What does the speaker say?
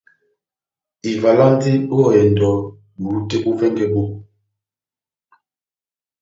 Ivalandi ó ehɛndɔ bulu tɛ́h bó vɛngɛ bó.